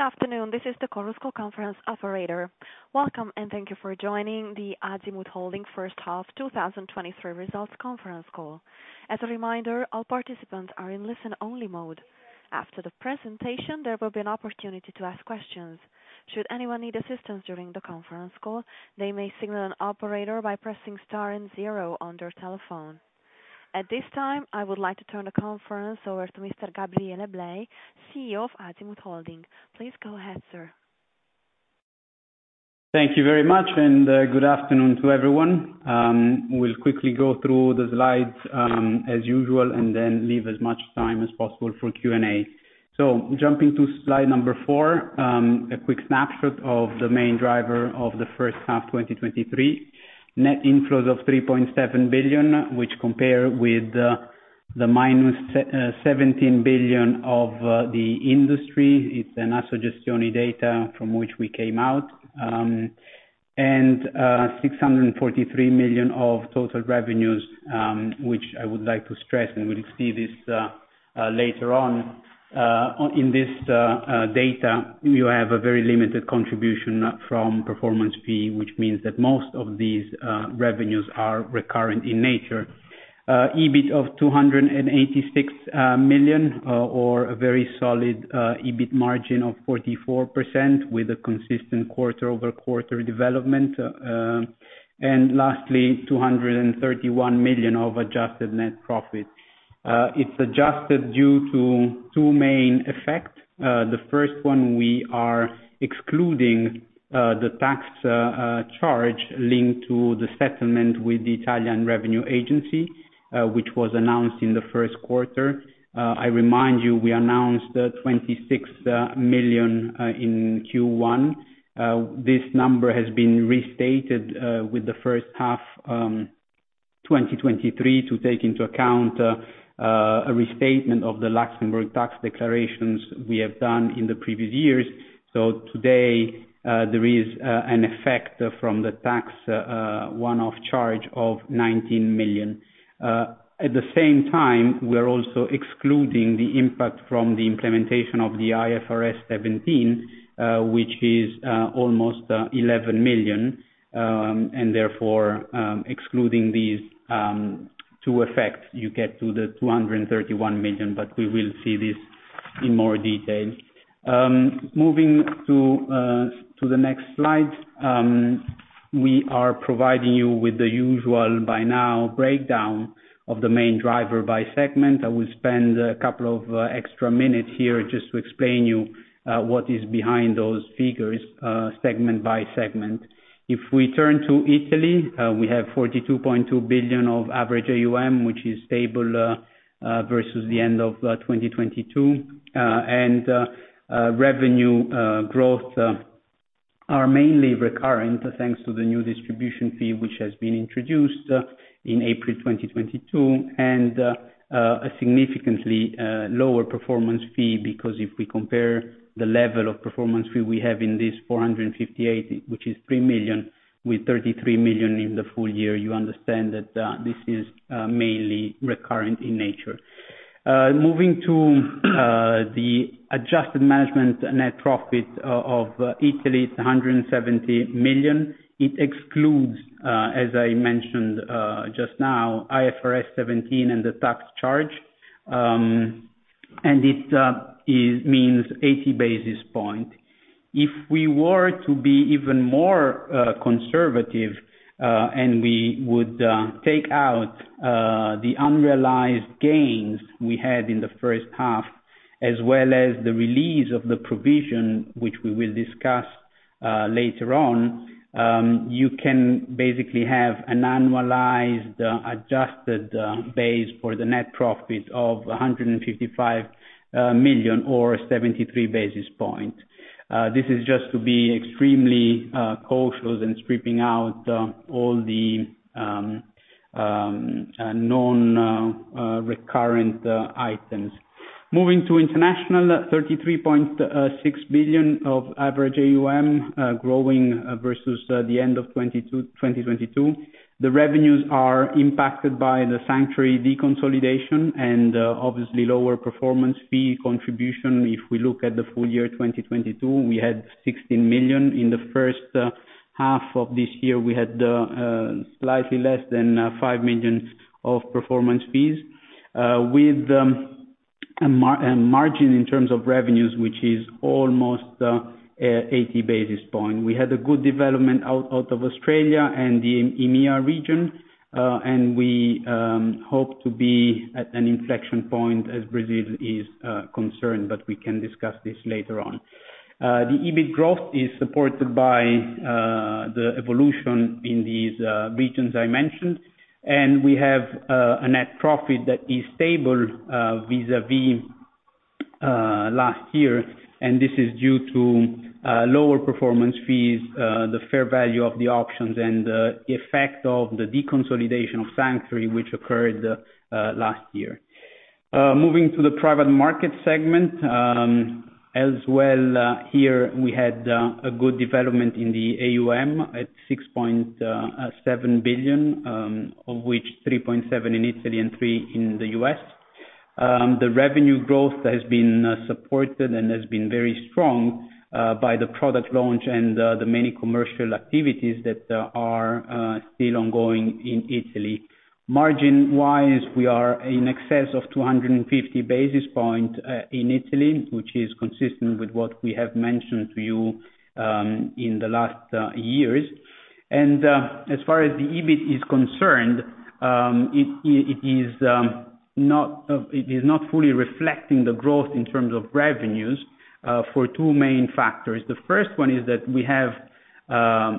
Good afternoon, this is the Chorus Call Conference operator. Welcome, thank you for joining the Azimut Holding First Half 2023 Results Conference Call. As a reminder, all participants are in listen-only mode. After the presentation, there will be an opportunity to ask questions. Should anyone need assistance during the conference call, they may signal an operator by pressing star and zero on their telephone. At this time, I would like to turn the conference over to Mr. Gabriele Blei, CEO of Azimut Holding. Please go ahead, sir. Thank you very much. Good afternoon to everyone. We'll quickly go through the slides as usual, then leave as much time as possible for Q&A. Jumping to slide number four, a quick snapshot of the main driver of the first half 2023. Net inflows of 3.7 billion, which compare with the minus 17 billion of the industry. It's an Assogestioni data from which we came out. 643 million of total revenues, which I would like to stress, we'll see this later on. In this data, you have a very limited contribution from performance fee, which means that most of these revenues are recurrent in nature. EBIT of 286 million or a very solid EBIT margin of 44% with a consistent quarter-over-quarter development. Lastly, 231 million of adjusted net profit. It's adjusted due to two main effects. The first one, we are excluding the tax charge linked to the settlement with the Italian Revenue Agency, which was announced in the first quarter. I remind you, we announced 26 million in Q1. This number has been restated with the first half 2023, to take into account a restatement of the Luxembourg tax declarations we have done in the previous years. Today, there is an effect from the tax one-off charge of 19 million. At the same time, we're also excluding the impact from the implementation of the IFRS 17, which is almost 11 million. Therefore, excluding these two effects, you get to the 231 million, but we will see this in more detail. Moving to the next slide, we are providing you with the usual, by now, breakdown of the main driver by segment. I will spend a couple of extra minutes here just to explain you what is behind those figures, segment by segment. If we turn to Italy, we have 42.2 billion of average AuM, which is stable versus the end of 2022. Revenue growth are mainly recurrent, thanks to the new distribution fee, which has been introduced in April 2022, and a significantly lower performance fee. If we compare the level of performance fee we have in this 458, which is 3 million, with 33 million in the full year, you understand that this is mainly recurrent in nature. Moving to the adjusted management net profit of Italy is 170 million. It Fexcludes, as I mentioned just now, IFRS 17 and the tax charge. It means 80 basis points. If we were to be even more conservative, and we would take out the unrealized gains we had in the first half, as well as the release of the provision, which we will discuss later on, you can basically have an annualized adjusted base for the net profit of 155 million or 73 basis points. This is just to be extremely cautious in stripping out all the known recurrent items. Moving to international, 33.6 billion of average AuM, growing versus the end of 2022. The revenues are impacted by the Sanctuary Wealth deconsolidation and obviously lower performance fees contribution. If we look at the full year 2022, we had 16 million. In the first half of this year, we had slightly less than 5 million of performance fees. With a margin in terms of revenues, which is almost 80 basis points. We had a good development out of Australia and the EMEA region, and we hope to be at an inflection point as Brazil is concerned, but we can discuss this later on. The EBIT growth is supported by the evolution in these regions I mentioned, and we have a net profit that is stable vis-à-vis last year, and this is due to lower performance fees, the fair value of the options, and the effect of the deconsolidation of Sanctuary, which occurred last year. Moving to the private market segment as well, here, we had a good development in the AuM at 6.7 billion, of which 3.7 in Italy and 3 in the U.S.. The revenue growth has been supported and has been very strong by the product launch and the many commercial activities that are still ongoing in Italy. Margin wise, we are in excess of 250 basis points in Italy, which is consistent with what we have mentioned to you in the last years. As far as the EBIT is concerned, it is not fully reflecting the growth in terms of revenues for two main factors. The first one is that we have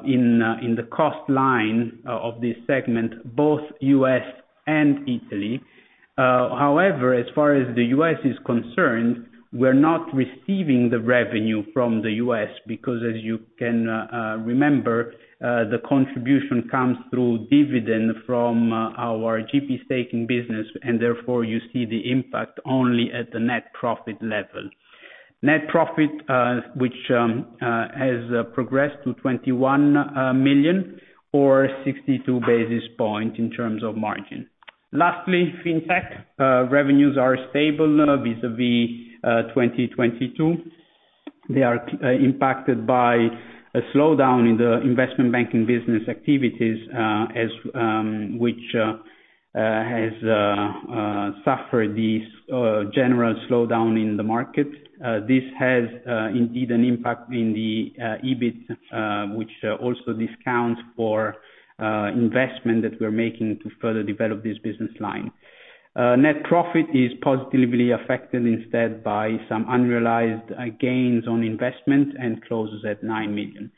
in the cost line of this segment, both U.S. and Italy. However, as far as the U.S. is concerned, we're not receiving the revenue from the U.S. because, as you can remember, the contribution comes through dividend from our GP staking business, and therefore, you see the impact only at the net profit level. Net profit, which has progressed to 21 million, or 62 basis points in terms of margin. Lastly, Fintech. Revenues are stable vis-à-vis 2022. They are impacted by a slowdown in the investment banking business activities, as which has suffered these general slowdown in the market. This has indeed an impact in the EBIT, which also discounts for investment that we're making to further develop this business line. Net profit is positively affected instead by some unrealized gains on investment and closes at 9 million.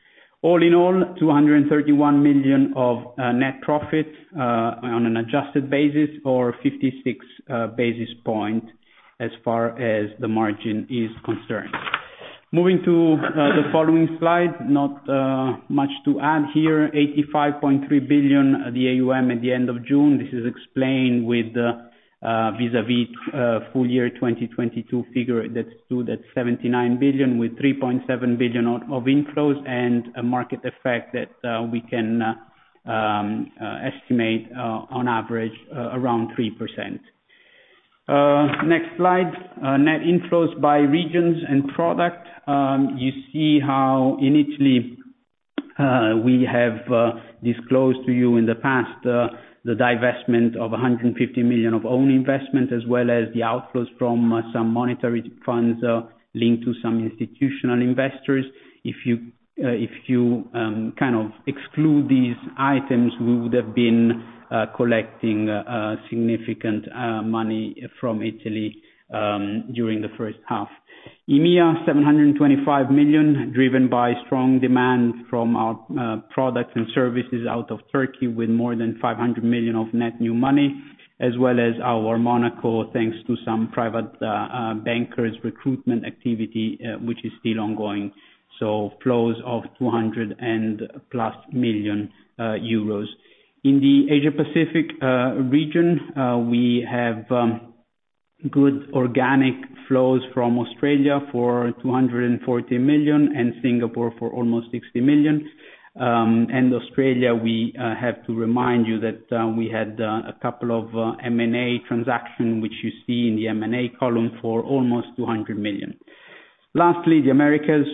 All in all, 231 million of net profit on an adjusted basis, or 56 basis point as far as the margin is concerned. Moving to the following slide, not much to add here. 85.3 billion, the AuM at the end of June. This is explained with the vis-à-vis full year 2022 figure that stood at 79 billion, with 3.7 billion of inflows and a market effect that we can estimate on average around 3%. Next slide, net inflows by regions and product. You see how in Italy, we have disclosed to you in the past, the divestment of 150 million of own investment, as well as the outflows from some monetary funds, linked to some institutional investors. If you kind of exclude these items, we would have been collecting a significant money from Italy, during the first half. EMEA, 725 million, driven by strong demand from our products and services out of Turkey, with more than 500 million of net new money, as well as our Monaco, thanks to some private bankers recruitment activity, which is still ongoing. Flows of 200+ million euros. In the Asia Pacific region, we have good organic flows from Australia for 240 million and Singapore for almost 60 million. Australia, we have to remind you that we had a couple of M&A transaction, which you see in the M&A column for almost 200 million. Lastly, the Americas.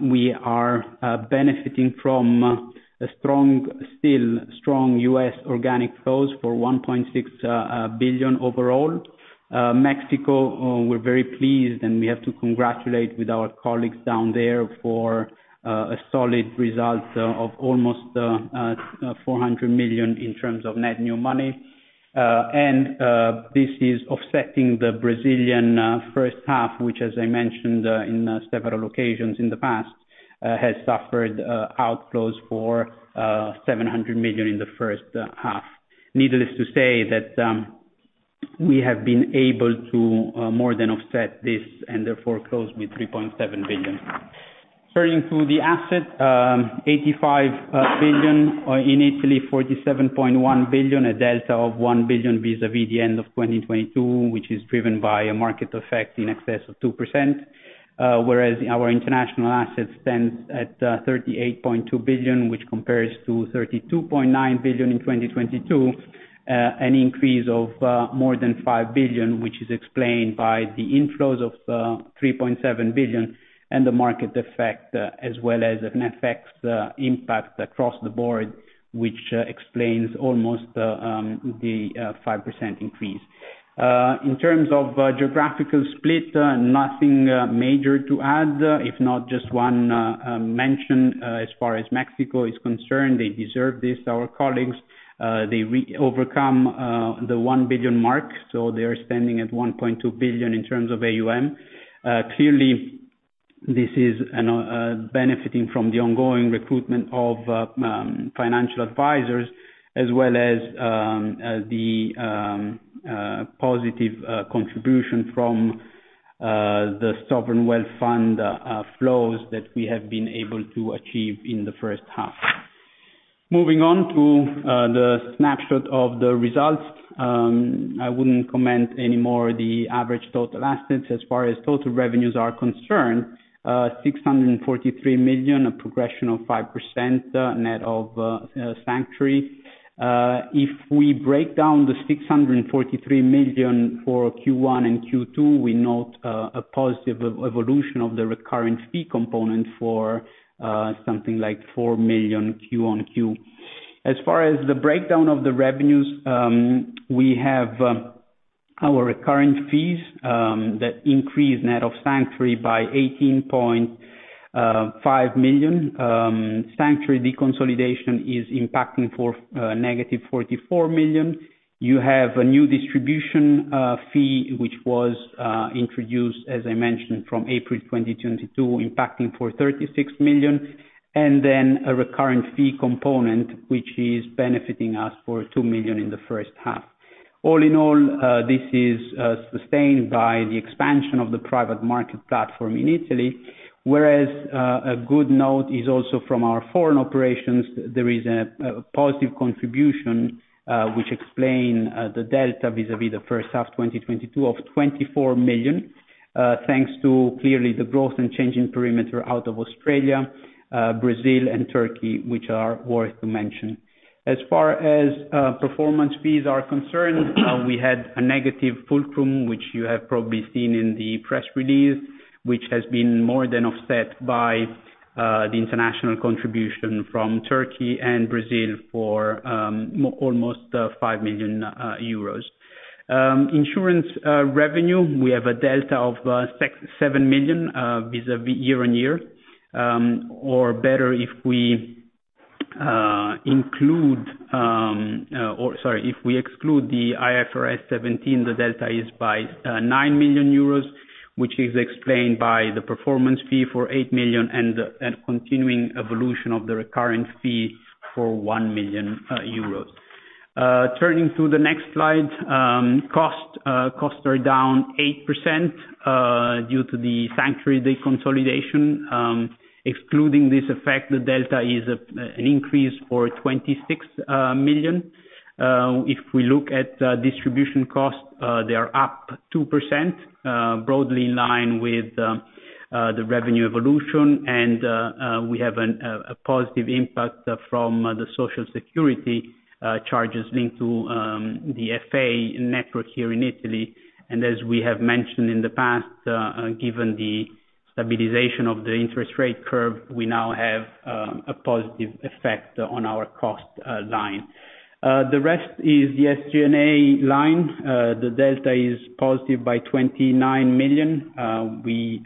We are benefiting from a strong, still strong U.S. organic flows for $1.6 billion overall. Mexico, we're very pleased, and we have to congratulate with our colleagues down there for a solid result of almost 400 million in terms of net new money. This is offsetting the Brazilian first half, which, as I mentioned in several occasions in the past, has suffered outflows for 700 million in the first half. Needless to say that we have been able to more than offset this and therefore close with 3.7 billion. Turning to the asset, 85 billion, in Italy, 47.1 billion, a delta of 1 billion vis-à-vis the end of 2022, which is driven by a market effect in excess of 2%. Our international assets stands at 38.2 billion, which compares to 32.9 billion in 2022. An increase of more than 5 billion, which is explained by the inflows of 3.7 billion and the market effect, as well as a Net FX impact across the board, which explains almost the 5% increase. In terms of geographical split, nothing major to add, if not just one mention, as far as Mexico is concerned, they deserve this. Our colleagues, they overcome the 1 billion mark, so they are standing at 1.2 billion in terms of AuM. Clearly, this is benefiting from the ongoing recruitment of Financial Advisors, as well as the positive contribution from the sovereign wealth fund flows that we have been able to achieve in the first half. Moving on to the snapshot of the results. I wouldn't comment anymore the average total assets. As far as total revenues are concerned, 643 million, a progression of 5%, net of Sanctuary. If we break down the 643 million for Q1 and Q2, we note a positive evolution of the recurring fee component for something like 4 million Q-on-Q. As far as the breakdown of the revenues, we have our recurring fees that increase net of Sanctuary by 18.5 million. Sanctuary Wealth deconsolidation is impacting for negative 44 million. You have a new distribution fee, which was introduced, as I mentioned, from April 2022, impacting for 36 million, and then a recurring fee component, which is benefiting us for 2 million in the first half. This is sustained by the expansion of the private market platform in Italy, whereas a good note is also from our foreign operations. There is a positive contribution, which explain the delta vis-à-vis the first half, 2022 of 24 million, thanks to clearly the growth and changing perimeter out of Australia, Brazil and Turkey, which are worth to mention. As far as performance fees are concerned, we had a negative fulcrum, which you have probably seen in the press release, which has been more than offset by the international contribution from Turkey and Brazil for almost 5 million euros. Insurance revenue, we have a delta of 7 million vis-à-vis year-on-year. Or better if we include, or sorry, if we exclude the IFRS 17, the delta is by 9 million euros, which is explained by the performance fee for 8 million and the continuing evolution of the recurring fee for 1 million euros. Turning to the next slide. Costs are down 8% due to the Sanctuary deconsolidation. Excluding this effect, the delta is an increase for 26 million. If we look at the distribution costs, they are up 2%, broadly in line with the revenue evolution. We have a positive impact from the Social Security charges linked to the FA network here in Italy. As we have mentioned in the past, given the stabilization of the interest rate curve, we now have a positive effect on our cost line. The rest is the SG&A line. The delta is positive by 29 million. We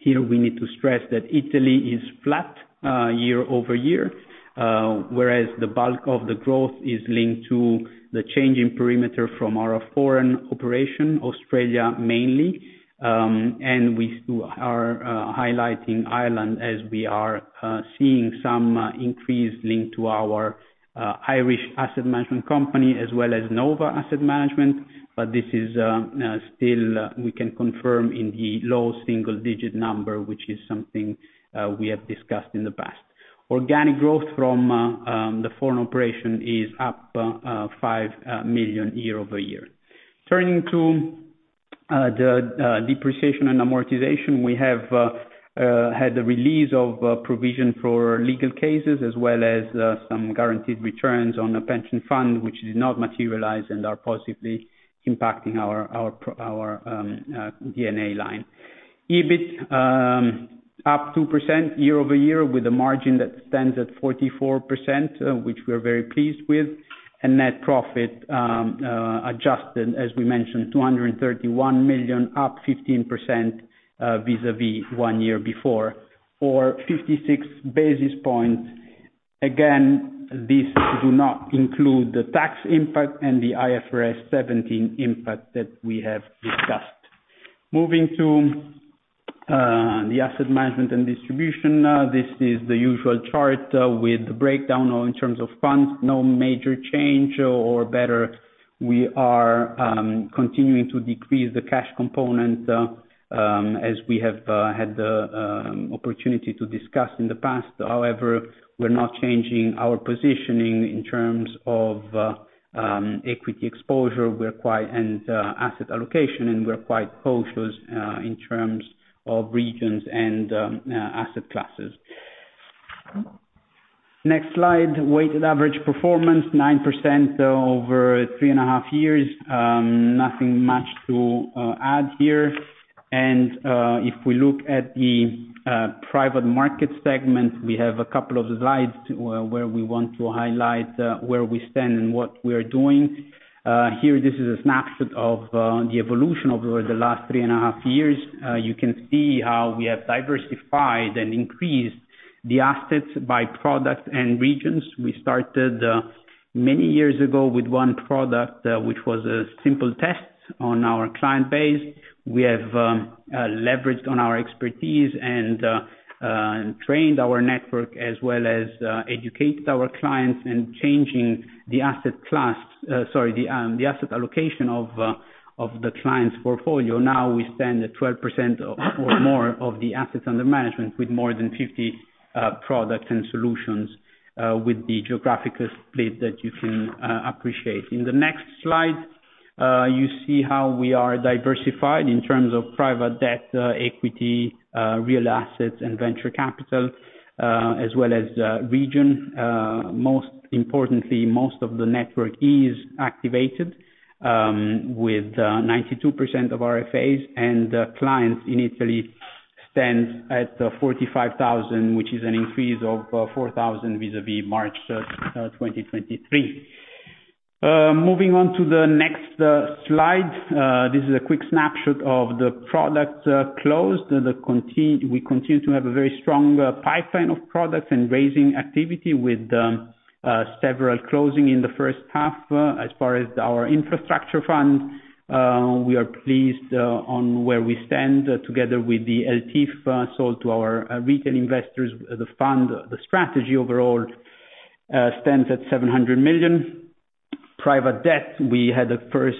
here, we need to stress that Italy is flat year-over-year, whereas the bulk of the growth is linked to the change in perimeter from our foreign operation, Australia mainly. We still are highlighting Ireland as we are seeing some increase linked to our Irish asset management company, as well as Nova Asset Management, this is still, we can confirm in the low single digit number, which is something we have discussed in the past. Organic growth from the foreign operation is up 5 million year-over-year. Turning to the depreciation and amortization. We have had a release of provision for legal cases, as well as some guaranteed returns on a pension fund, which did not materialize and are positively impacting our DNA line. EBIT, up 2% year-over-year, with a margin that stands at 44%, which we are very pleased with. Net profit, adjusted, as we mentioned, 231 million, up 15% vis-à-vis one year before, or 56 basis points. Again, these do not include the tax impact and the IFRS 17 impact that we have discussed. Moving to the asset management and distribution. This is the usual chart with the breakdown all in terms of funds. No major change or better. We are continuing to decrease the cash component as we have had the opportunity to discuss in the past. However, we're not changing our positioning in terms of equity exposure. We're quite, and asset allocation, and we're quite cautious in terms of regions and asset classes. Next slide, weighted average performance, 9% over three and a half years. Nothing much to add here. If we look at the private market segment, we have a couple of slides where we want to highlight where we stand and what we are doing. Here, this is a snapshot of the evolution over the last three and a half years. You can see how we have diversified and increased the assets by product and regions. We started many years ago with one product, which was a simple test on our client base. We have leveraged on our expertise and trained our network, as well as educated our clients in changing the asset class, sorry, the asset allocation of the client's portfolio. We stand at 12% or more of the assets under management, with more than 50 products and solutions, with the geographical split that you can appreciate. You see how we are diversified in terms of private debt, equity, real assets, and venture capital, as well as region. Most importantly, most of the network is activated, with 92% of RFAs and clients in Italy stands at 45,000, which is an increase of 4,000 vis-à-vis March 2023. Moving on to the next slide, this is a quick snapshot of the products closed, and we continue to have a very strong pipeline of products and raising activity with several closing in the first half. As far as our infrastructure fund, we are pleased on where we stand together with the ELTIF sold to our retail investors. The fund, the strategy overall, stands at 700 million. Private debt, we had a first,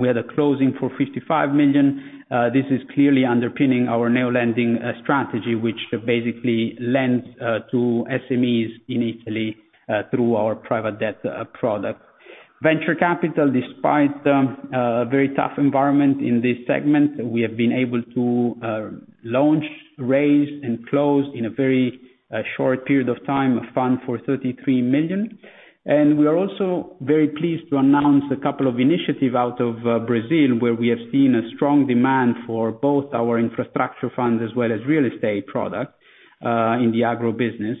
we had a closing for 55 million. This is clearly underpinning our neo-lending strategy, which basically lends to SMEs in Italy through our private debt product. Venture capital, despite a very tough environment in this segment, we have been able to launch, raise, and close in a very short period of time, a fund for 33 million. And we are also very pleased to announce a couple of initiatives out of Brazil, where we have seen a strong demand for both our infrastructure funds, as well as real estate product in the agro business.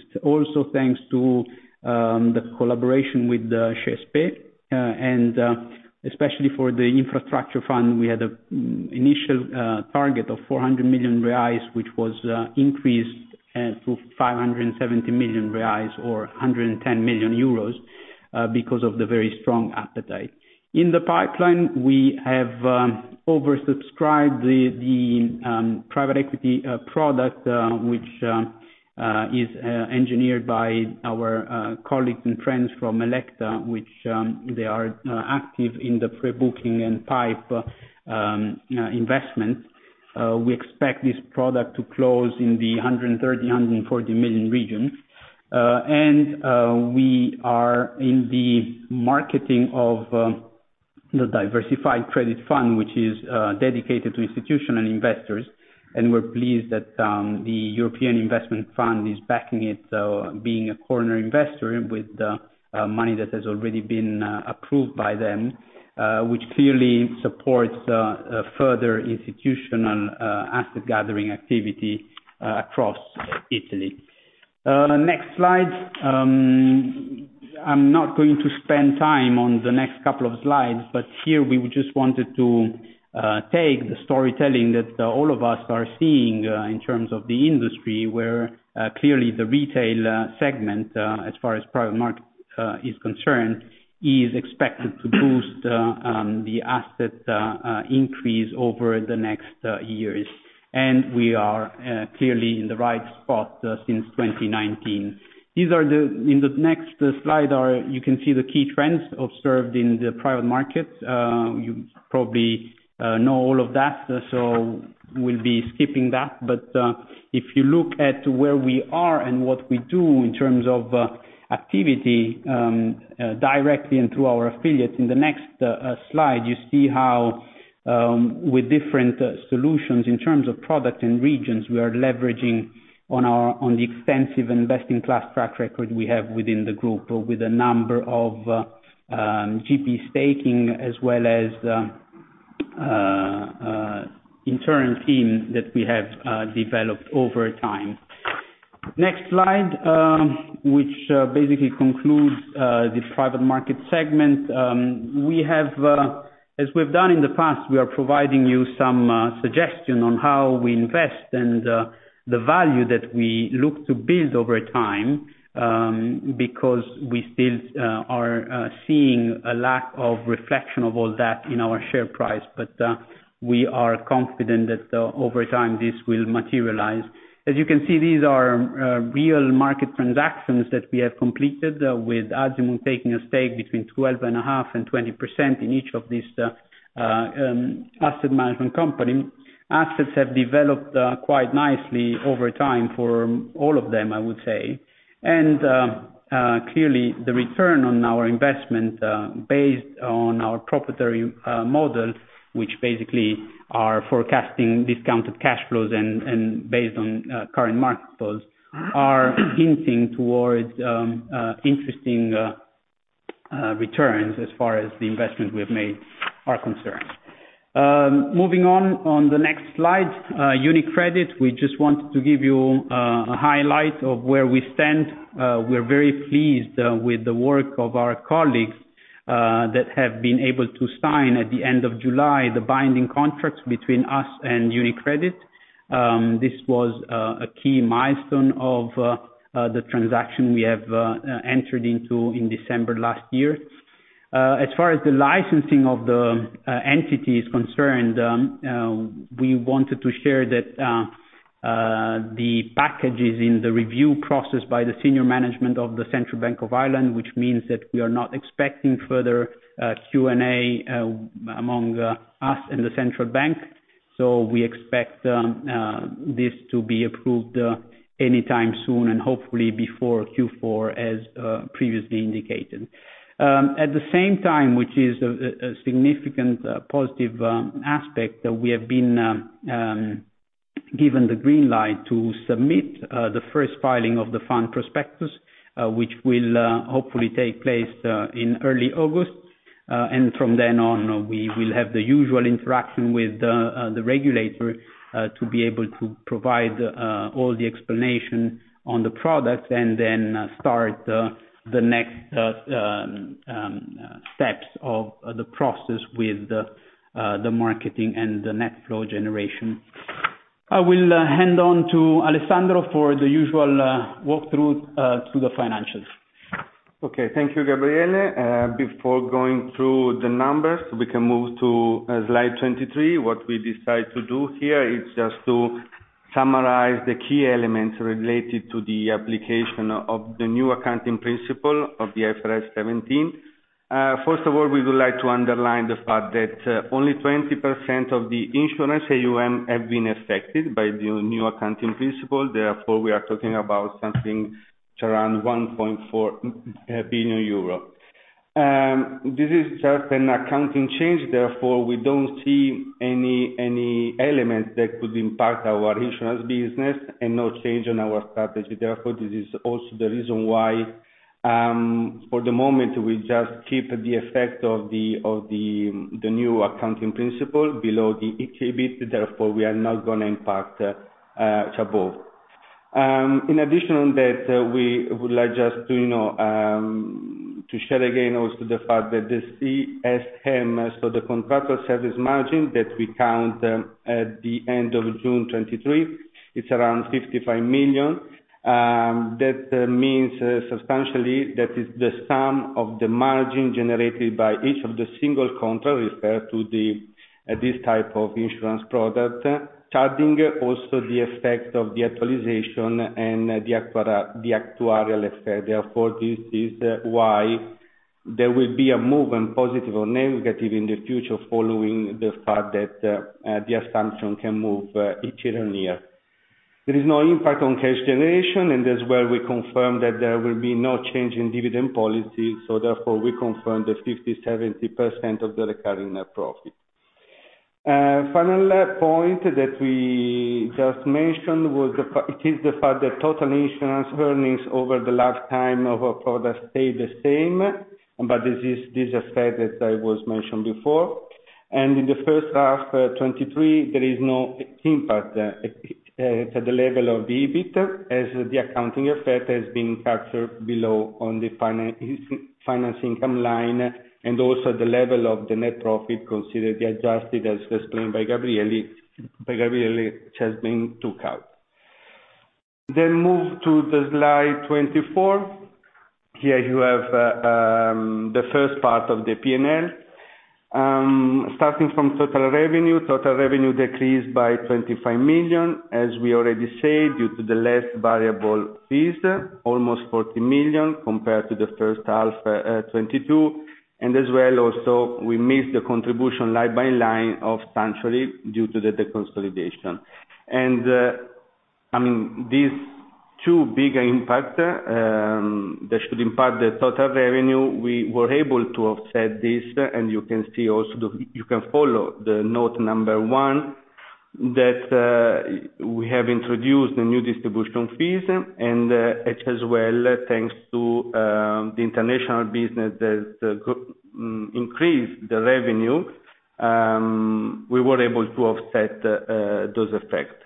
Thanks to the collaboration with the SP, and especially for the infrastructure fund, we had an initial target of 400 million reais, which was increased to 570 million reais, or 110 million euros, because of the very strong appetite. In the pipeline, we have oversubscribed the private equity product, which is engineered by our colleagues and friends from Electa Ventures, which they are active in the pre-booking and PIPE investment. We expect this product to close in the 130 million-140 million region. We are in the marketing of the diversified credit fund, which is dedicated to institutional investors, and we're pleased that the European Investment Fund is backing it, being a corner investor with money that has already been approved by them, which clearly supports a further institutional asset gathering activity across Italy. Next slide. I'm not going to spend time on the next couple of slides, but here we just wanted to take the storytelling that all of us are seeing in terms of the industry, where clearly the retail segment as far as private market is concerned, is expected to boost the asset increase over the next years. We are clearly in the right spot since 2019. These are the. In the next slide are, you can see the key trends observed in the private markets. You probably know all of that, so we'll be skipping that. If you look at where we are and what we do in terms of activity, directly and through our affiliates, in the next slide, you see how, with different solutions in terms of product and regions, we are leveraging on the extensive investing class track record we have within the group, with a number of GP staking, as well as internal team that we have developed over time. Next slide, which basically concludes the private market segment. We have, as we've done in the past, we are providing you some suggestion on how we invest and the value that we look to build over time, because we still are seeing a lack of reflection of all that in our share price. We are confident that over time, this will materialize. As you can see, these are real market transactions that we have completed with Azimut taking a stake between 12 and a half and 20% in each of these asset management company. Assets have developed quite nicely over time for all of them, I would say. Clearly, the return on our investment, based on our proprietary model, which basically are forecasting discounted cash flows and based on current market flows, are hinting towards interesting returns as far as the investment we have made are concerned. Moving on, on the next slide, UniCredit, we just wanted to give you a highlight of where we stand. We're very pleased with the work of our colleagues that have been able to sign at the end of July, the binding contracts between us and UniCredit. This was a key milestone of the transaction we have entered into in December last year. As far as the licensing of the entity is concerned, we wanted to share that the package is in the review process by the senior management of the Central Bank of Ireland, which means that we are not expecting further Q&A among us and the Central Bank. We expect this to be approved anytime soon, and hopefully before Q4, as previously indicated. At the same time, which is a significant positive aspect, that we have been given the green light to submit the first filing of the fund prospectus, which will hopefully take place in early August. From then on, we will have the usual interaction with the regulator, to be able to provide all the explanation on the product, and then start the next steps of the process with the marketing and the net flow generation. I will hand on to Alessandro for the usual walk-through to the financials. Okay. Thank you, Gabriele. Before going through the numbers, we can move to slide 23. What we decide to do here is just to summarize the key elements related to the application of the new accounting principle of the IFRS 17. First of all, we would like to underline the fact that only 20% of the insurance AuM have been affected by the new accounting principle, therefore, we are talking about something around 1.4 billion euro. This is just an accounting change, therefore, we don't see any element that could impact our insurance business and no change on our strategy. Therefore, this is also the reason why, for the moment, we just keep the effect of the new accounting principle below the EBIT, therefore, we are not gonna impact above. In addition to that, we would like just to share again also the fact that the CSM, so the contractual service margin that we count, at the end of June 2023, it's around 55 million. That means, substantially, that is the sum of the margin generated by each of the single contract, referred to this type of insurance product. Charting also the effect of the actualization and the actuarial effect. This is why there will be a move, and positive or negative, in the future following the fact that the assumption can move each year on year. There is no impact on cash generation. As well, we confirm that there will be no change in dividend policy. Therefore, we confirm the 50%-70% of the recurring net profit. Final point that we just mentioned was it is the fact that total insurance earnings over the lifetime of a product stay the same. This is, this effect, as I was mentioned before, and in the first half 2023, there is no impact at the level of the EBIT, as the accounting effect has been captured below on the financing income line, and also the level of the net profit considered the adjusted, as explained by Gabriele, which has been took out. Move to the slide 24. Here you have the first part of the P&L. Starting from total revenue decreased by 25 million, as we already said, due to the less variable fees, almost 40 million compared to the first half 2022. As well, also, we missed the contribution line by line of Sanctuary, due to the deconsolidation. I mean, these two bigger impact that should impact the total revenue, we were able to offset this. You can see also, you can follow the note number one, that we have introduced the new distribution fees, as well, thanks to the international business that go increased the revenue, we were able to offset those effects.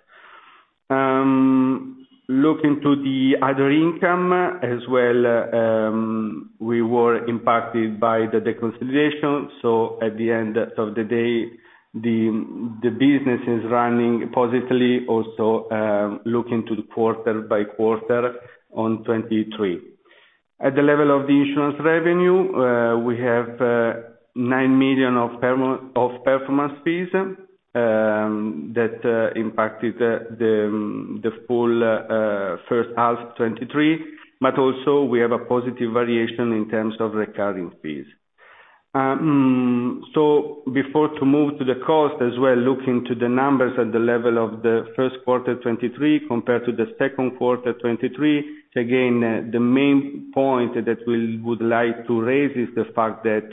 Looking to the other income as well, we were impacted by the deconsolidation, so at the end of the day, the business is running positively. Looking to the quarter by quarter on 2023. At the level of the insurance revenue, we have 9 million of performance fees that impacted the full first half 2023, but also, we have a positive variation in terms of recurring fees. Before to move to the cost as well, looking to the numbers at the level of the first quarter 2023 compared to the second quarter 2023, again, the main point that we would like to raise is the fact that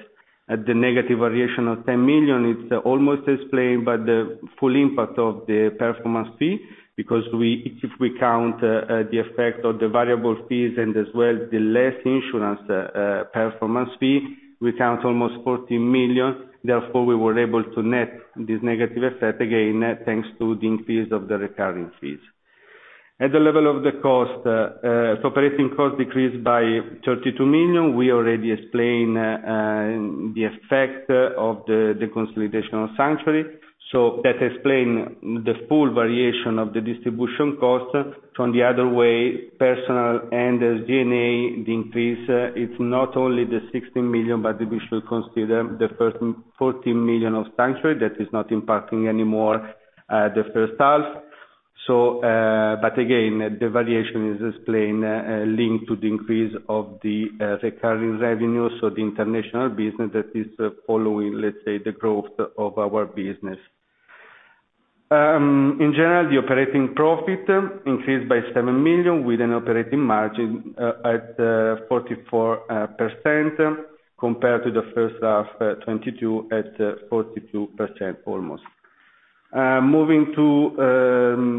at the negative variation of 10 million, it's almost explained by the full impact of the performance fee. If we count the effect of the variable fees and as well the less insurance performance fee, we count almost 40 million. We were able to net this negative effect, again, thanks to the increase of the recurring fees. At the level of the cost, operating cost decreased by 32 million. We already explained the effect of the deconsolidation of Sanctuary, that explain the full variation of the distribution cost. From the other way, personal and the G&A increase, it's not only the 16 million, but we should consider the first 40 million of Sanctuary that is not impacting anymore the first half. Again, the variation is explained linked to the increase of the recurring revenues, the international business that is following the growth of our business. In general, the operating profit increased by 7 million, with an operating margin at 44%, compared to the first half 2022 at 42% almost. Moving to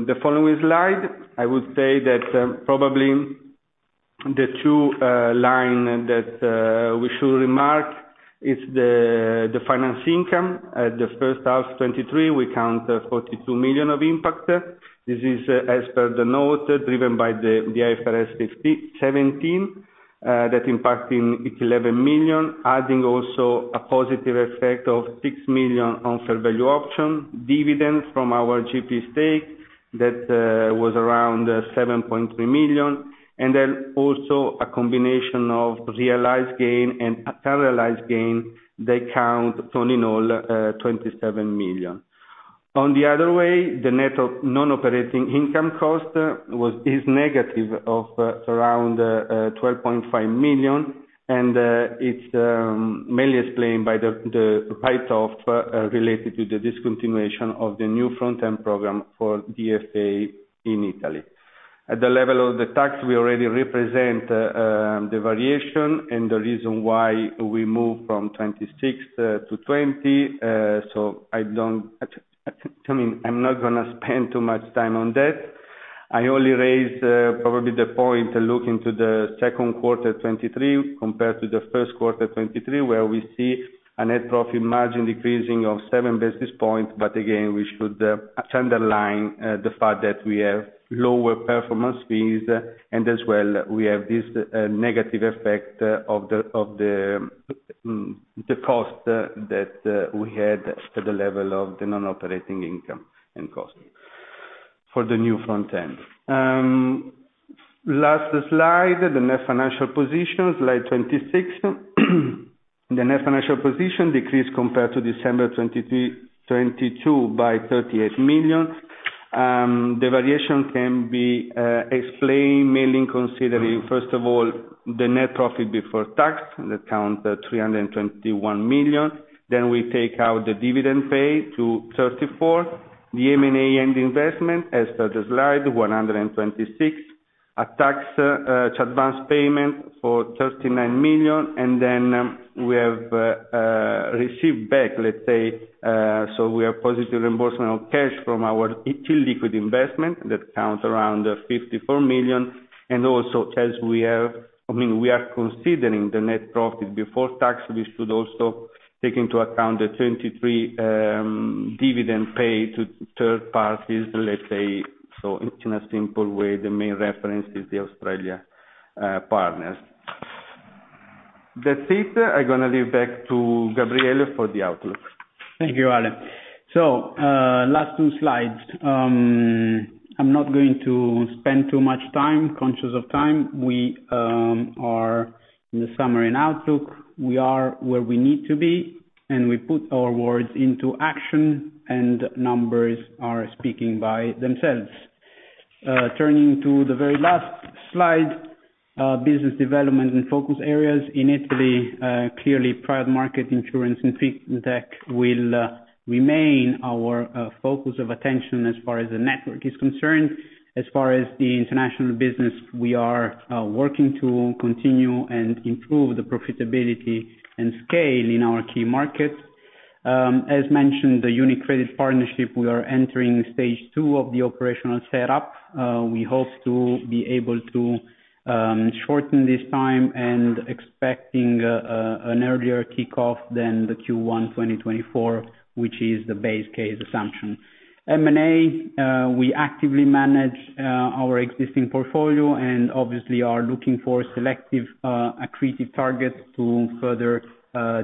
the following slide, I would say that probably the two line that we should remark is the finance income. At the first half 2023, we count 42 million of impact. This is as per the note, driven by the IFRS 17 that impacting 11 million, adding also a positive effect of 6 million on fair value option, dividends from our GP stake, that was around 7.3 million, and then also a combination of realized gain and unrealized gain, they count turning all 27 million. On the other way, the net of non-operating income cost is negative of around 12.5 million, and it's mainly explained by the write-off related to the discontinuation of the new front-end program for DFA in Italy. At the level of the tax, we already represent the variation and the reason why we move from 26 to 20. I don't, I mean, I'm not gonna spend too much time on that. I only raise probably the point of looking to the second quarter 2023 compared to the first quarter 2023, where we see a net profit margin decreasing of 7 basis points, but again, we should underline the fact that we have lower performance fees, and as well, we have this negative effect of the cost that we had for the level of the non-operating income and cost for the new front end. Last slide, the net financial position, slide 26. The net financial position decreased compared to December 2023, 2022 by 38 million. The variation can be explained mainly considering, first of all, the net profit before tax, that count 321 million. We take out the dividend pay to 34, the M&A end investment, as per the slide, 126. A tax to advance payment for 39 million, and then we have received back, let's say, so we have positive reimbursement of cash from our ET liquid investment that counts around 54 million, and also as we have, I mean, we are considering the net profit before tax, we should also take into account the 23 dividend paid to third parties, let's say, so in a simple way, the main reference is the Australia partners. That's it. I'm gonna leave back to Gabriele for the outlook. Thank you, Alex. Last two slides. I'm not going to spend too much time, conscious of time. We are in the summary and outlook. We are where we need to be, and we put our words into action, and numbers are speaking by themselves. Turning to the very last slide, business development and focus areas in Italy, clearly, private market insurance and Fintech will remain our focus of attention as far as the network is concerned. As far as the international business, we are working to continue and improve the profitability and scale in our key markets. As mentioned, the UniCredit partnership, we are entering phase II of the operational setup. We hope to be able to shorten this time and expecting an earlier kickoff than the Q1 2024, which is the base case assumption. M&A, we actively manage our existing portfolio and obviously are looking for selective, accretive targets to further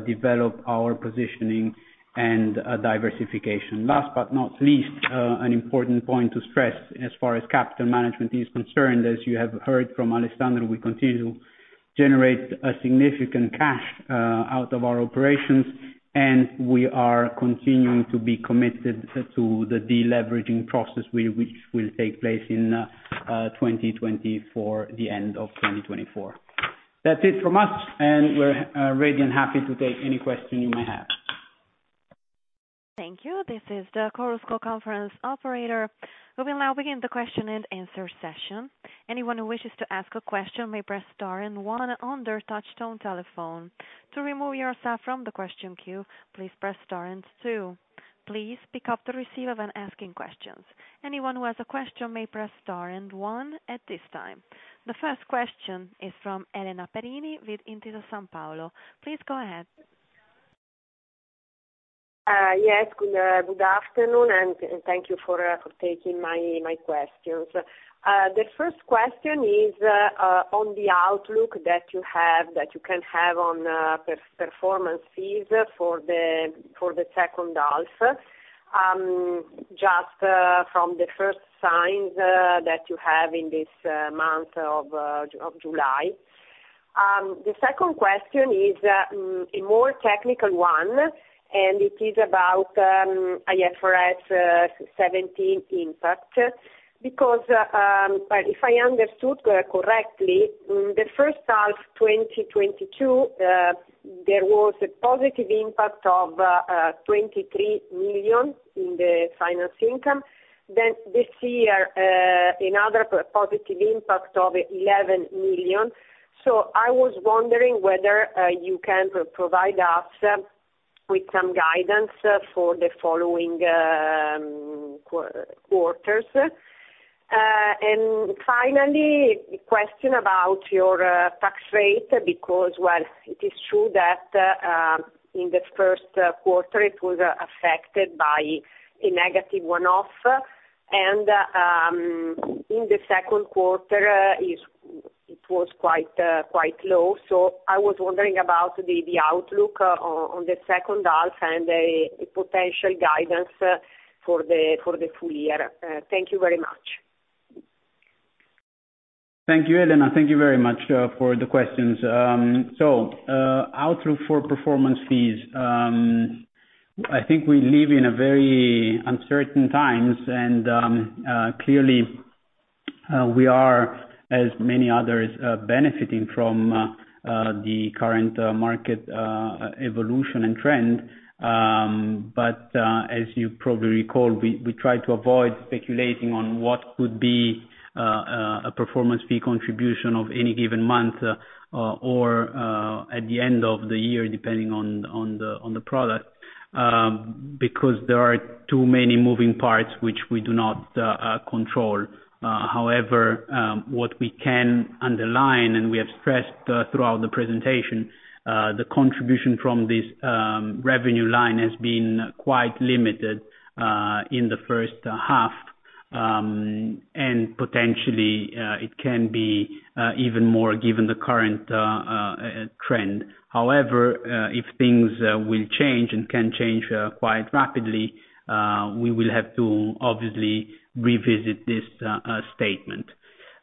develop our positioning and diversification. Last but not least, an important point to stress as far as capital management is concerned, as you have heard from Alessandro, we continue to generate a significant cash out of our operations, and we are continuing to be committed to the deleveraging process, which will take place in 2024, the end of 2024. That's it from us. We're ready and happy to take any questions you may have. Thank you. This is the Chorus Call conference operator. We will now begin the question and answer session. Anyone who wishes to ask a question may press star and one on their touchtone telephone. To remove yourself from the question queue, please press star and two. Please pick up the receiver when asking questions. Anyone who has a question may press star and one at this time. The first question is from Elena Perini with Intesa Sanpaolo. Please go ahead. Yes, good afternoon, and thank you for taking my questions. The first question is on the outlook that you have, that you can have on performance fees for the second half. Just from the first signs that you have in this month of July. The second question is a more technical one, and it is about IFRS 17 impact. Because, well, if I understood correctly, the first half, 2022, there was a positive impact of 23 million in the finance income. This year, another positive impact of 11 million. I was wondering whether you can provide us with some guidance for the following quarters. Finally, a question about your tax rate, because, well, it is true that in the first quarter it was affected by a negative one-off, and in the second quarter it was quite low. I was wondering about the outlook on the second half and a potential guidance for the full year. Thank you very much. Thank you, Elena. Thank you very much for the questions. Outlook for performance fees. I think we live in a very uncertain times, and clearly, we are, as many others, benefiting from the current market evolution and trend. As you probably recall, we try to avoid speculating on what could be a performance fee contribution of any given month, or at the end of the year, depending on the product, because there are too many moving parts, which we do not control. However, what we can underline, and we have stressed throughout the presentation, the contribution from this revenue line has been quite limited in the first half, and potentially, it can be even more given the current trend. However, if things will change and can change quite rapidly, we will have to obviously revisit this statement.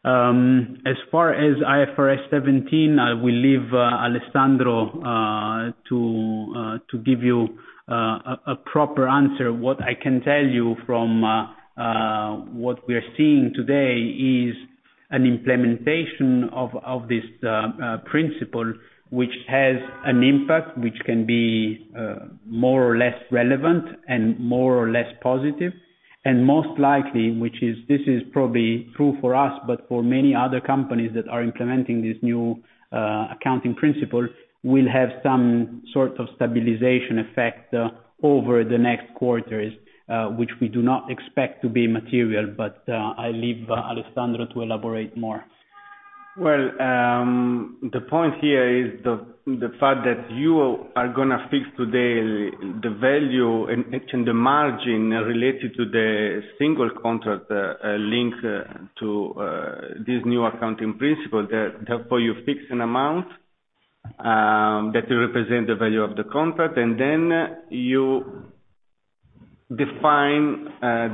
As far as IFRS 17, I will leave Alessandro to give you a proper answer. What I can tell you from what we are seeing today is an implementation of this principle, which has an impact, which can be more or less relevant and more or less positive, and most likely, which is, this is probably true for us, but for many other companies that are implementing this new accounting principle, will have some sort of stabilization effect over the next quarters, which we do not expect to be material. I'll leave Alessandro to elaborate more. Well, the point here is the fact that you are gonna fix today the value and the margin related to the single contract, link to this new accounting principle, therefore, you fix an amount that will represent the value of the contract, and then you define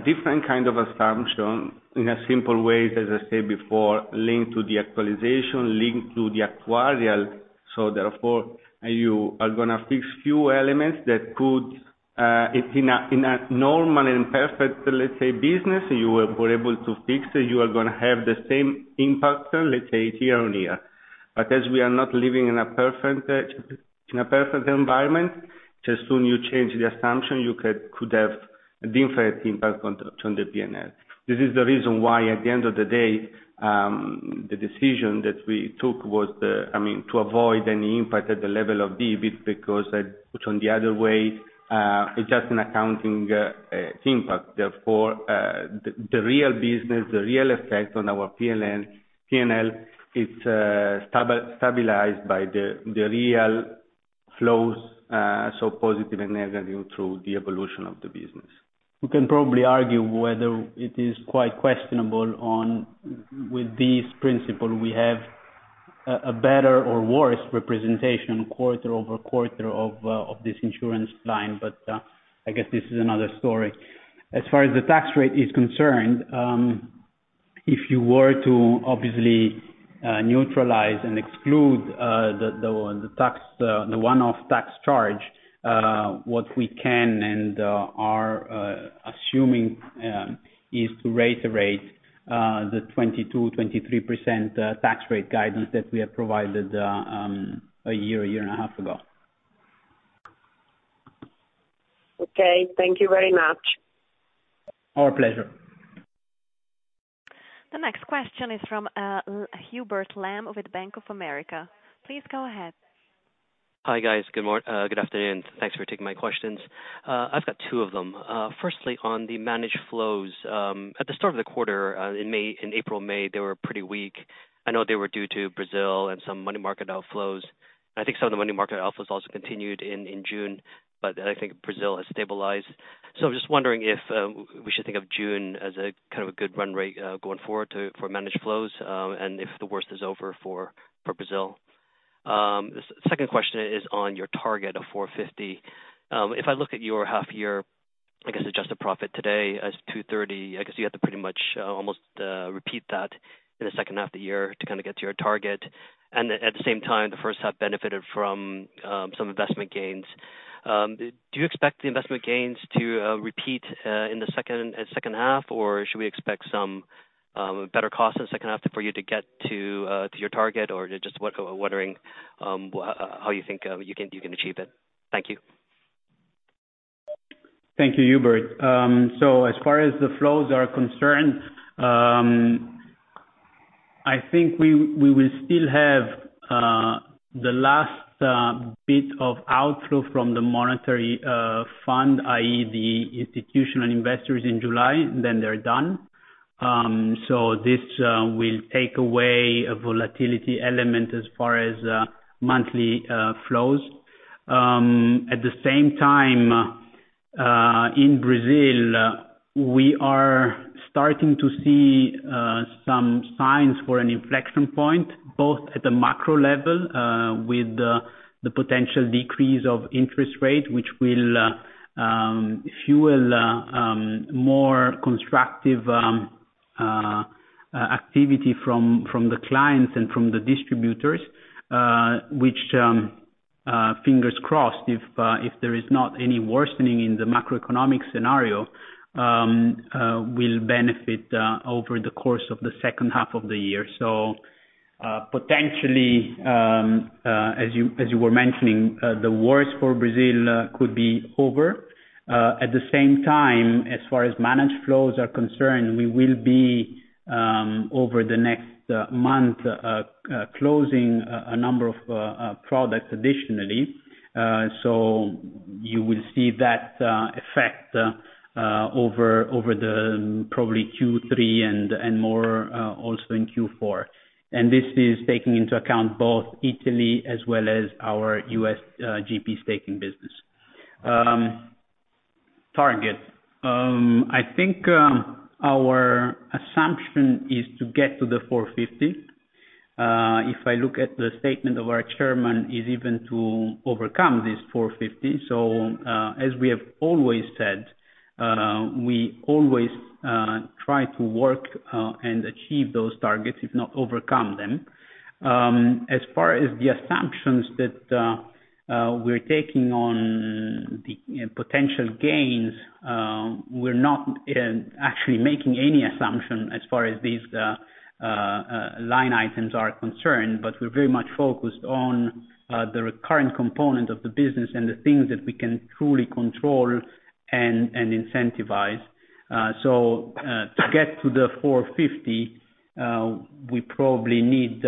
different kind of assumption in a simple way, as I said before, linked to the actualization, linked to the actuarial. Therefore, you are gonna fix few elements that could in a normal and perfect, let's say, business, you were able to fix, you are gonna have the same impact, let's say, year-on-year. As we are not living in a perfect, in a perfect environment, as soon you change the assumption, you could have a different impact on the P&L. This is the reason why, at the end of the day, I mean, to avoid any impact at the level of the EBIT, because, which on the other way, it's just an accounting impact. Therefore, the real business, the real effect on our P&L, it's stabilized by the real flows, so positive and negative through the evolution of the business. We can probably argue whether it is quite questionable on, with this principle, we have a, a better or worse representation quarter-over-quarter of this insurance line, but I guess this is another story. As far as the tax rate is concerned, if you were to obviously neutralize and exclude the, the, the tax, the one-off tax charge, what we can and are assuming is to raise the rate, the 22%-23% tax rate guidance that we have provided a year, a year and a half ago. Okay. Thank you very much. Our pleasure. The next question is from Hubert Lam with Bank of America. Please go ahead. Hi, guys. Good afternoon. Thanks for taking my questions. I've got two of them. Firstly, on the managed flows, at the start of the quarter, in May, in April, May, they were pretty weak. I know they were due to Brazil and some money market outflows. I think some of the money market outflows also continued in, in June, but I think Brazil has stabilized. I'm just wondering if we should think of June as a kind of a good run rate going forward to, for managed flows, and if the worst is over for Brazil. The second question is on your target of 450. If I look at your half year...... I guess, adjusted profit today as 230, I guess you have to pretty much almost repeat that in the second half of the year to kind of get to your target. At the same time, the first half benefited from some investment gains. Do you expect the investment gains to repeat in the second half, or should we expect some better cost in the second half for you to get to your target? Just wondering how you think you can achieve it? Thank you. Thank you, Hubert. As far as the flows are concerned, I think we will still have the last bit of outflow from the monetary fund, i.e., the institutional investors in July, then they're done. This will take away a volatility element as far as monthly flows. At the same time, in Brazil, we are starting to see some signs for an inflection point, both at the macro level, with the potential decrease of interest rate, which will fuel more constructive activity from the clients and from the distributors, which, fingers crossed, if there is not any worsening in the macroeconomic scenario, will benefit over the course of the second half of the year. Potentially, as you were mentioning, the worst for Brazil could be over. At the same time, as far as managed flows are concerned, we will be over the next month closing a number of products additionally. You will see that effect over the probably Q3 and more also in Q4. This is taking into account both Italy as well as our US GP staking business. Target. I think our assumption is to get to the 450. If I look at the statement of our chairman, is even to overcome this 450. As we have always said, we always try to work and achieve those targets, if not overcome them. As far as the assumptions that we're taking on the potential gains, we're not actually making any assumption as far as these line items are concerned, but we're very much focused on the recurring component of the business and the things that we can truly control and incentivize. To get to the 450, we probably need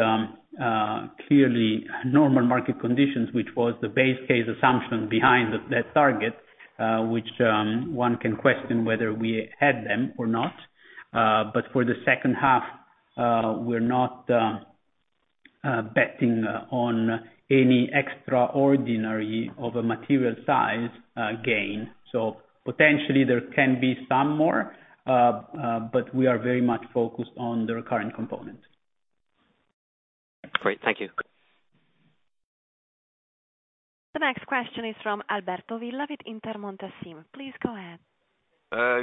clearly normal market conditions, which was the base case assumption behind that target, which one can question whether we had them or not. For the second half, we're not betting on any extraordinary of a material size gain. So potentially there can be some more, but we are very much focused on the recurring components. Great, thank you. The next question is from Alberto Villa with Intermonte SIM. Please go ahead.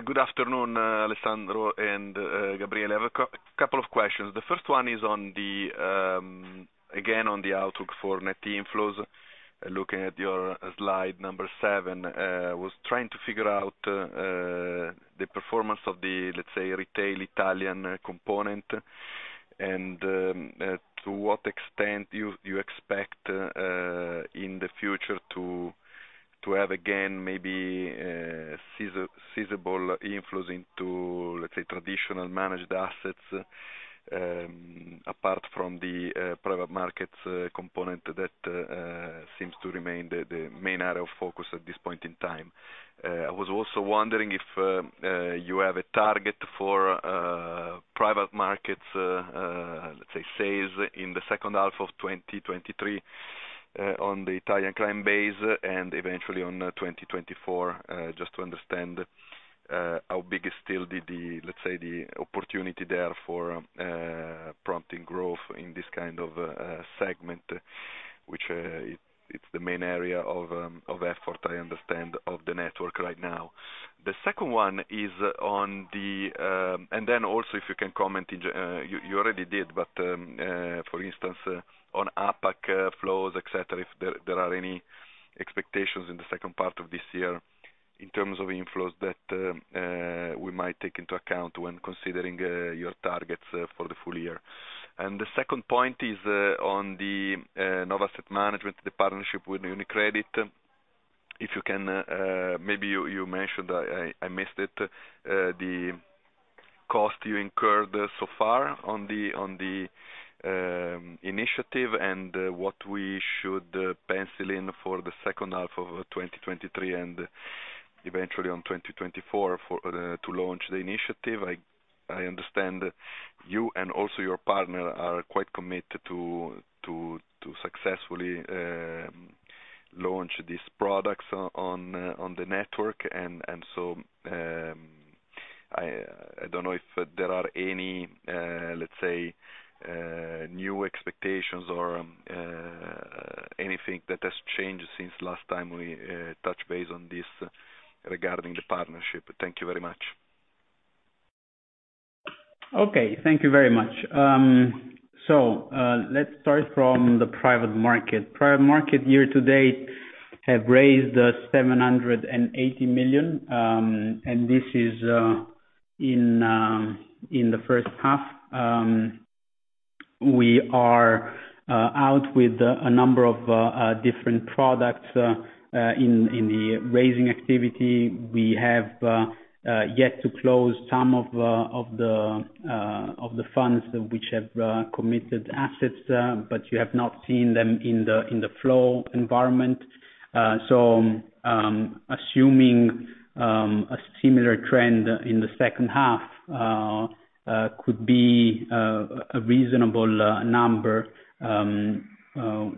Good afternoon, Alessandro and Gabriele. I have a couple of questions. The first one is on the, again, on the outlook for net inflows. Looking at your slide number seven, was trying to figure out the performance of the, let's say, retail Italian component, and to what extent you expect in the future to have again, maybe seizable inflows into, let's say, traditional managed assets, apart from the private markets component that seems to remain the main area of focus at this point in time. I was also wondering if you have a target for private markets, let's say, sales in the second half of 2023, on the Italian client base and eventually on 2024, just to understand how big is still the, let's say, the opportunity there for prompting growth in this kind of segment, which it's the main area of effort I understand, of the network right now? The second one is on the... Also if you can comment, you already did, but for instance, on APAC flows, et cetera, if there are any expectations in the second part of this year in terms of inflows that we might take into account when considering your targets for the full year? The second point is on the Nova Asset Management, the partnership with UniCredit. If you can, maybe you mentioned, I missed it, the cost you incurred so far on the initiative and what we should pencil in for the second half of 2023 and eventually on 2024 for to launch the initiative? I understand you and also your partner are quite committed to successfully launch these products on the network. I don't know if there are any, let's say, new expectations or anything that has changed since last time we touched base on this regarding the partnership? Thank you very much. Thank you very much. Let's start from the private market. Private market, year to date, have raised 780 million, and this is in the first half. We are out with a number of different products in the raising activity. We have yet to close some of the funds which have committed assets, but you have not seen them in the flow environment. Assuming a similar trend in the second half could be a reasonable number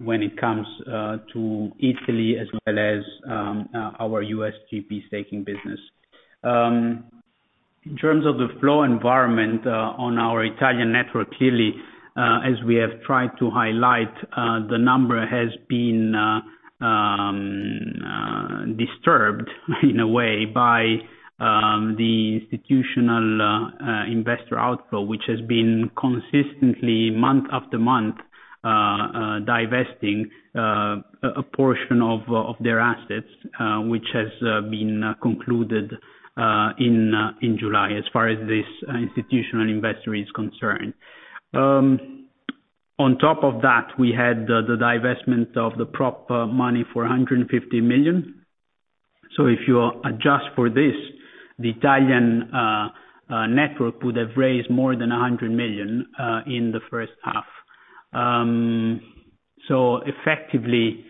when it comes to Italy as well as our US GP staking business. In terms of the flow environment, on our Italian network, clearly, as we have tried to highlight, the number has been disturbed in a way by the institutional investor outflow, which has been consistently, month after month, divesting a portion of their assets, which has been concluded in July, as far as this institutional investor is concerned. On top of that, we had the divestment of the proper money for 150 million. If you adjust for this, the Italian network would have raised more than 100 million in the first half. Effectively,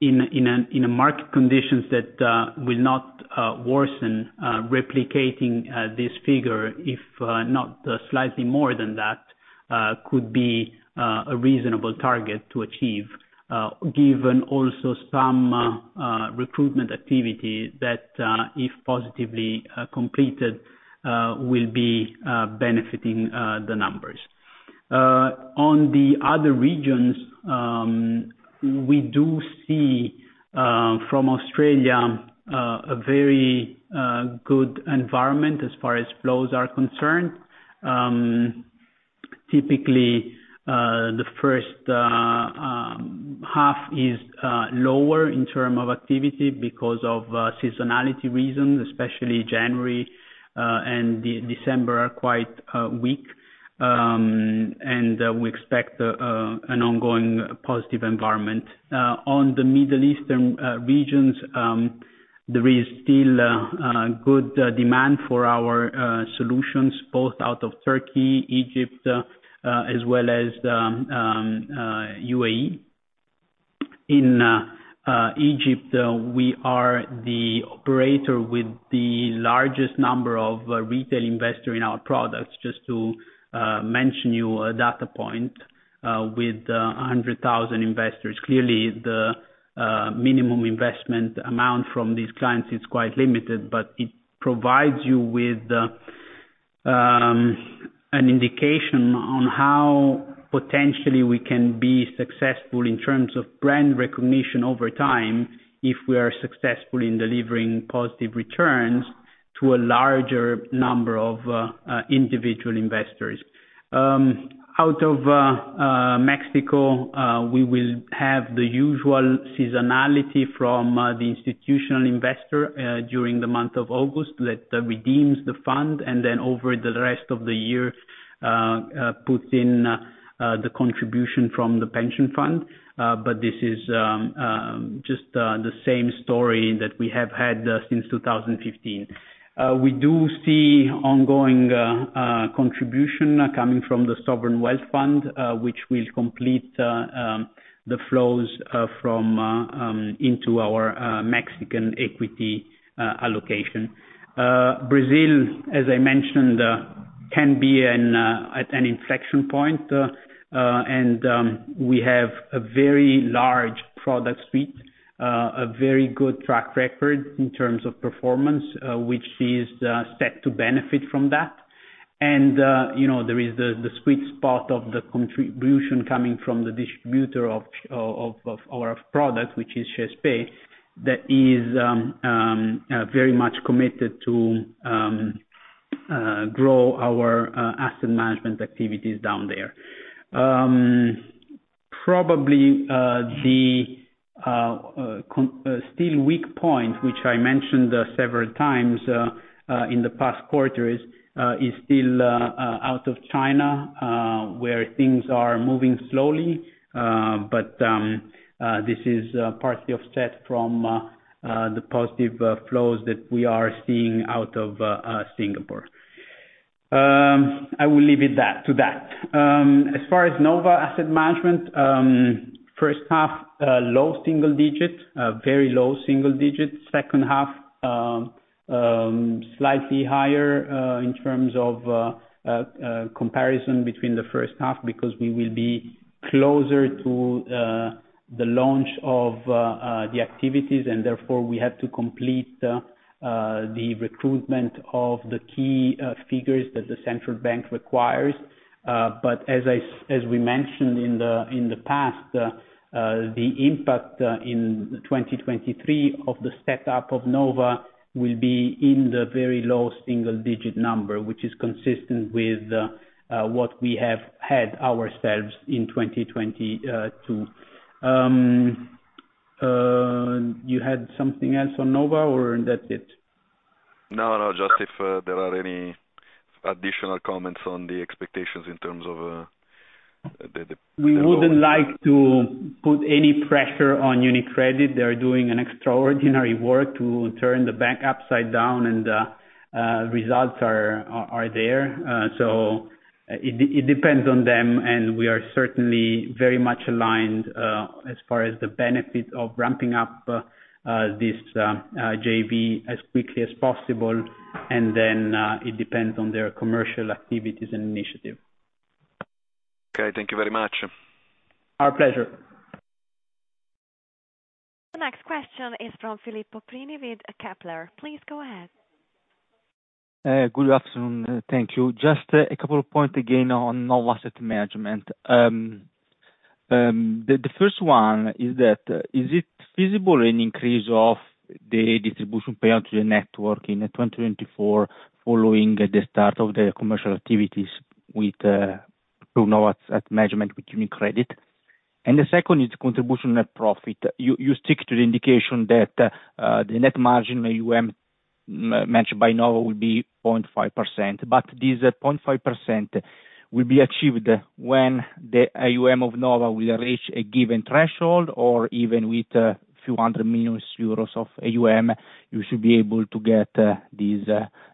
in a market conditions that will not worsen, replicating this figure, if not slightly more than that, could be a reasonable target to achieve, given also some recruitment activity that, if positively completed, will be benefiting the numbers. On the other regions, we do see from Australia a very good environment as far as flows are concerned. Typically, the first half is lower in terms of activity because of seasonality reasons, especially January and December are quite weak. We expect an ongoing positive environment. On the Middle Eastern regions, there is still good demand for our solutions, both out of Turkey, Egypt, as well as UAE. In Egypt, we are the operator with the largest number of retail investor in our products, just to mention you a data point, with 100,000 investors. Clearly, the minimum investment amount from these clients is quite limited, but it provides you with an indication on how potentially we can be successful in terms of brand recognition over time, if we are successful in delivering positive returns to a larger number of individual investors. Out of Mexico, we will have the usual seasonality from the institutional investor during the month of August, that redeems the fund, then over the rest of the year, puts in the contribution from the pension fund. This is just the same story that we have had since 2015. We do see ongoing contribution coming from the Sovereign Wealth Fund, which will complete the flows from into our Mexican equity allocation. Brazil, as I mentioned, can be at an inflection point, we have a very large product suite, a very good track record in terms of performance, which is set to benefit from that. You know, there is the sweet spot of the contribution coming from the distributor of our product, which is ShareSpace, that is very much committed to grow our asset management activities down there. Probably the still weak point, which I mentioned several times in the past quarters, is still out of China, where things are moving slowly. This is partly offset from the positive flows that we are seeing out of Singapore. I will leave it that, to that. As far as Nova Asset Management, first half, low single digit, very low single digit. Second half, slightly higher in terms of comparison between the first half, because we will be closer to the launch of the activities, and therefore, we have to complete the recruitment of the key figures that the central bank requires. As we mentioned in the past, the impact in 2023 of the set up of Nova will be in the very low single digit number, which is consistent with what we have had ourselves in 2022. You had something else on Nova or that's it? No, just if there are any additional comments on the expectations in terms of, We wouldn't like to put any pressure on UniCredit. They're doing an extraordinary work to turn the bank upside down. Results are there. It depends on them, and we are certainly very much aligned as far as the benefit of ramping up this JV as quickly as possible. Then it depends on their commercial activities and initiative. Okay, thank you very much. Our pleasure. The next question is from Filippo Prini with Kepler. Please go ahead. Good afternoon, thank you. Just a couple of points again on Nova Asset Management. The first one is that, is it feasible an increase of the distribution payout to the network in 2024, following the start of the commercial activities with through Nova Asset Management with UniCredit? The second is contribution net profit. You stick to the indication that the net margin mentioned by Nova will be 0.5%, but this 0.5% will be achieved when the AuM of Nova will reach a given threshold, or even with a few hundred million EUR of AuM, you should be able to get this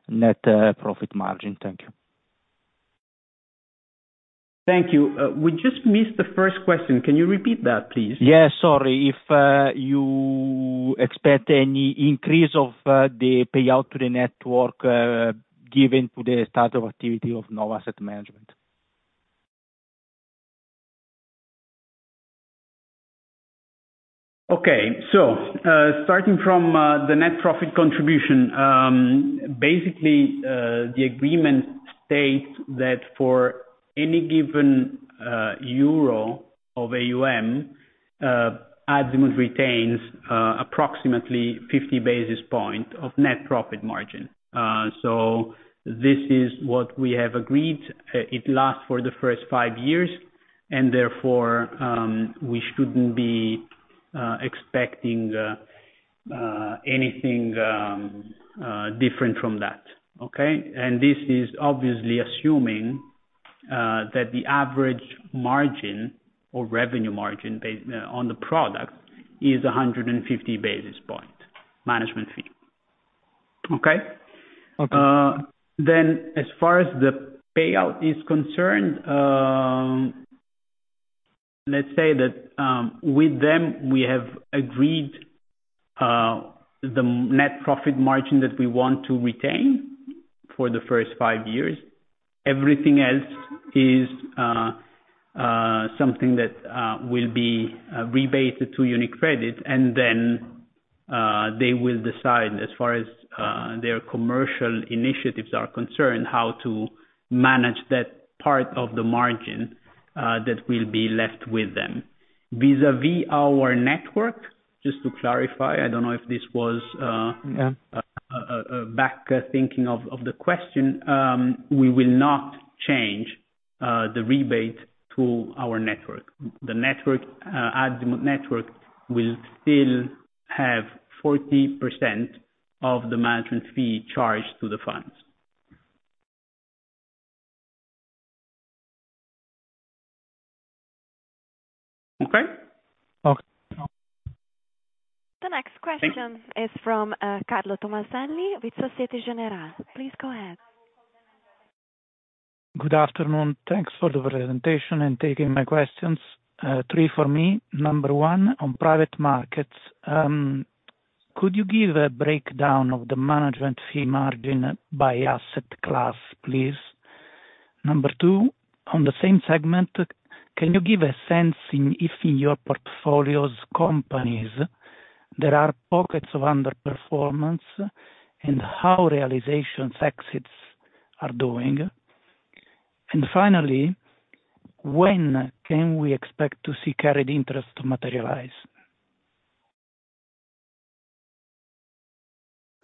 net profit margin. Thank you. Thank you. We just missed the first question. Can you repeat that, please? Yeah, sorry. If, you expect any increase of the payout to the network, given to the start of activity of Nova Asset Management? Okay. Starting from the net profit contribution, basically, the agreement states that for any given EUR of AuM, Azimut retains approximately 50 basis points of net profit margin. This is what we have agreed. It lasts for the first five years and therefore, we shouldn't be expecting anything different from that. Okay? This is obviously assuming that the average margin or revenue margin on the product is 150 basis points management fee. Okay? Okay. As far as the payout is concerned, let's say that with them, we have agreed the net profit margin that we want to retain for the first five years. Everything else is something that will be rebated to UniCredit. They will decide as far as their commercial initiatives are concerned, how to manage that part of the margin that will be left with them. Vis-à-vis our network, just to clarify, I don't know if this was. Yeah... back, thinking of the question. We will not change the rebate to our network. The Azimut network will still have 40% of the management fee charged to the funds. Okay? Okay. The next question. Thank you. - is from, Carlo Tommaselli with Societe Generale. Please go ahead. Good afternoon. Thanks for the presentation and taking my questions. Three for me. One on private markets, could you give a breakdown of the management fee margin by asset class, please? Two on the same segment, can you give a sense if in your portfolio's companies, there are pockets of underperformance, and how realizations exits are doing? Finally, when can we expect to see carried interest materialize?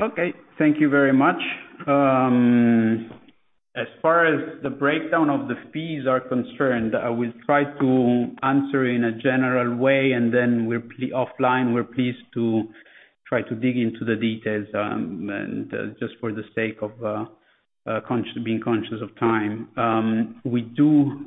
Okay, thank you very much. As far as the breakdown of the fees are concerned, I will try to answer in a general way, and then offline, we're pleased to try to dig into the details, and just for the sake of being conscious of time. We do,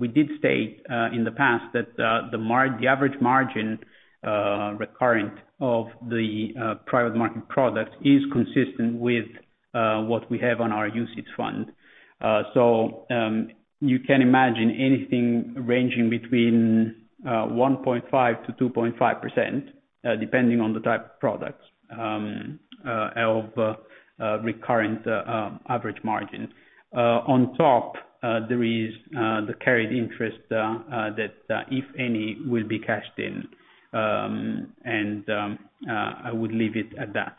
we did state in the past that the average margin recurrent of the private market product is consistent with what we have on our UCITS fund. So, you can imagine anything ranging between 1.5%-2.5%, depending on the type of products, of recurrent average margin. On top, there is the carried interest that if any, will be cashed in. I would leave it at that.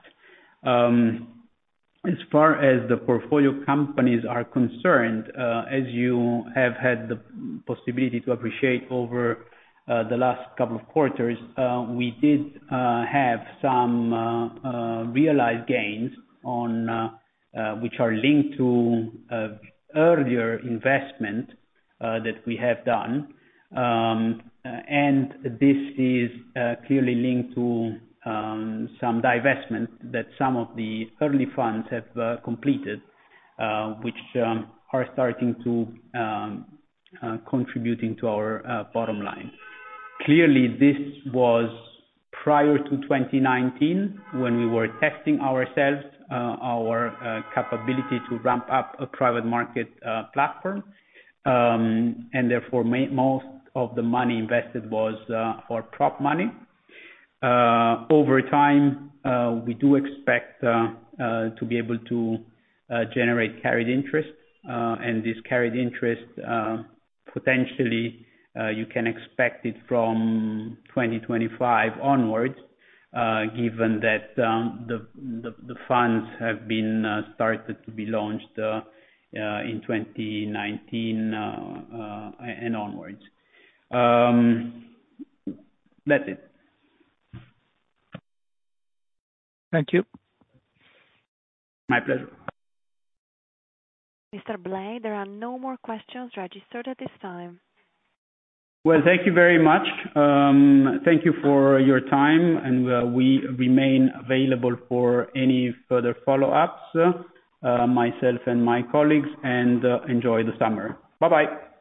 As far as the portfolio companies are concerned, as you have had the possibility to appreciate over the last couple of quarters, we did have some realized gains on which are linked to earlier investment that we have done. This is clearly linked to some divestment that some of the early funds have completed, which are starting to contributing to our bottom line. Clearly, this was prior to 2019, when we were testing ourselves, our capability to ramp up a private market platform. Therefore, most of the money invested was for prop money. Over time, we do expect to be able to generate carried interest. This carried interest, potentially, you can expect it from 2025 onwards, given that the funds have been started to be launched in 2019 and onwards. That's it. Thank you. My pleasure. Mr. Blei, there are no more questions registered at this time. Thank you very much. Thank you for your time. We remain available for any further follow-ups, myself and my colleagues. Enjoy the summer. Bye-bye!